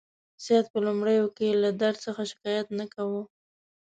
سید په لومړیو کې له درد څخه شکایت نه کاوه.